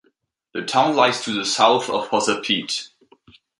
The town lies to the south of Hosapete.